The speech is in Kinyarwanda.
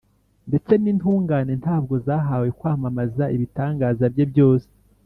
Ndetse n’intungane nta bwo zahawe kwamamaza ibitangaza bye byose,